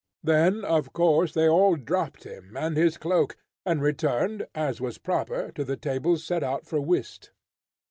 Then, of course, they all dropped him and his cloak, and returned, as was proper, to the tables set out for whist.